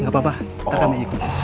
nggak apa apa ntar kami ikut